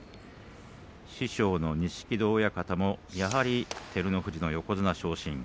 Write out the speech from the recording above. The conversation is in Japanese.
師匠の錦戸親方も、やはり照ノ富士の横綱昇進。